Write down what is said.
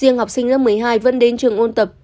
riêng học sinh lớp một mươi hai vẫn đến trường ôn tập